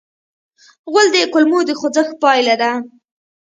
غول د کولمو د خوځښت پایله ده.